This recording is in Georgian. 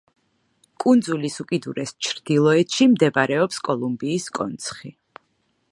კუნძულის უკიდურეს ჩრდილოეთში მდებარეობს კოლუმბიის კონცხი.